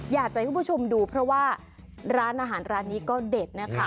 อยากจะให้คุณผู้ชมดูเพราะว่าร้านอาหารร้านนี้ก็เด็ดนะคะ